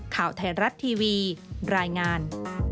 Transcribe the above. ข่าวไทยรัฐทีวีรายงาน